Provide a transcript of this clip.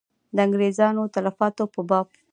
د انګرېزیانو د تلفاتو په باب.